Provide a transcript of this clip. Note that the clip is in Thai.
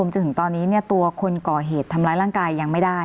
จนถึงตอนนี้ตัวคนก่อเหตุทำร้ายร่างกายยังไม่ได้